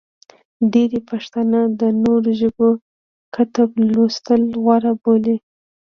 ډېری پښتانه د نورو ژبو کتب لوستل غوره بولي.